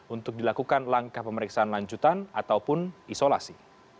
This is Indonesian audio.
untuk dilakukan langkah pemeriksaan lanjutan ataupun isolasi